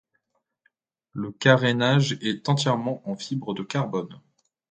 Le carénage est entièrement en fibre de carbone.